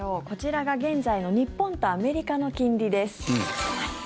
こちらが現在の日本とアメリカの金利です。